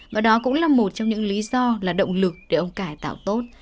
và đó cũng là một trong những lý do là động lực để ông cải tạo tốt